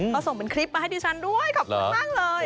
เขาส่งเป็นคลิปมาให้ดิฉันด้วยขอบคุณมากเลย